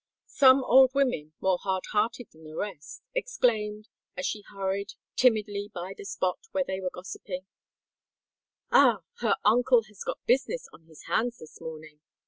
Some old women, more hard hearted than the rest, exclaimed, as she hurried timidly by the spot where they were gossiping, "Ah! her uncle has got business on his hands this morning!"